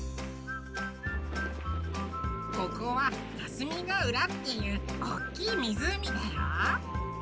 ここは「霞ヶ浦」っていうおっきいみずうみだよ！